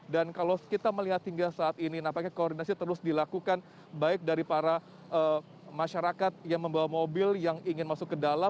dan kalau kita melihat hingga saat ini nampaknya koordinasi terus dilakukan baik dari para masyarakat yang membawa mobil yang ingin masuk ke dalam